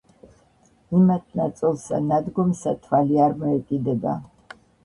იმათ ნაწოლსა ნადგომსა თვალი არ მოეკიდება